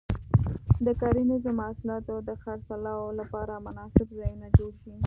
د کرنیزو محصولاتو د خرڅلاو لپاره مناسب ځایونه جوړ شي.